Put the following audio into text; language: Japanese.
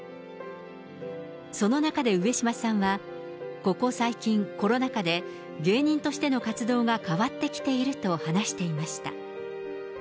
その中で上島さんは、ここ最近、コロナ禍で芸人としての活動が変わってきていると話していました。